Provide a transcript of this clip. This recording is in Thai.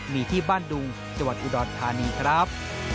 มีที่บ้านดุงจังหวัดอุดรธานีครับ